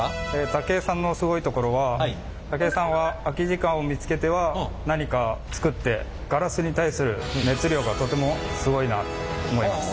武井さんのすごいところは武井さんは空き時間を見つけては何かつくってガラスに対する熱量がとてもすごいなと思います。